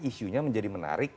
isunya menjadi menarik